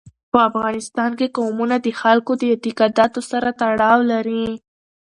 په افغانستان کې قومونه د خلکو د اعتقاداتو سره تړاو لري.